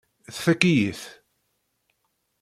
Tfakk-iyi-t.